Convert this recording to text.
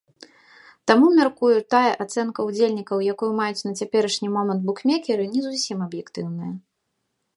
Таму, мяркую, тая ацэнка ўдзельнікаў, якую маюць на цяперашні момант букмекеры, не зусім аб'ектыўная.